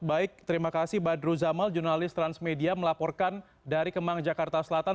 baik terima kasih badru zamal jurnalis transmedia melaporkan dari kemang jakarta selatan